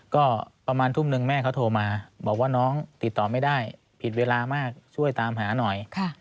ก็ประมาณทุ่มนึงแม่เขาโทรมาบอกว่าน้องติดต่อไม่ได้ผิดเวลามากช่วยตามหาหน่อย